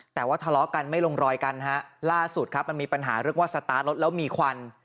แต่ว่าทะเลาะกันไม่ลงรอยกันฮะล่าสุดครับมันมีปัญหาเรื่องว่าสตาร์ทรถแล้วมีควัน